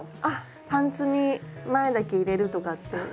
あっパンツに前だけ入れるとかって。